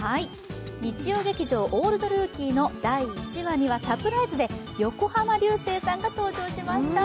日曜劇場「オールドルーキー」の第１話にはサプライズで横浜流星さんが登場しました。